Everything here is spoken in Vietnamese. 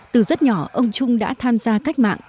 từ rất nhỏ ông trung đã tham gia cách mạng